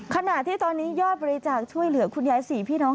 ขณะที่ตอนนี้ยอดบริจาคช่วยเหลือคุณยาย๔พี่น้อง